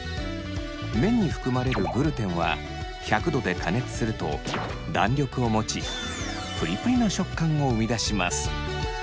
麺に含まれるグルテンは１００度で加熱すると弾力を持ちプリプリの食感を生み出します。